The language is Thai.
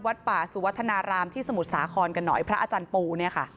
วัดป่าสุวธนารามที่สมุทรสาคอนกระหนอยพระอาจารย์ปู